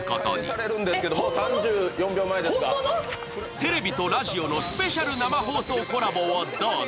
テレビとラジオのスペシャル生放送コラボをどうぞ。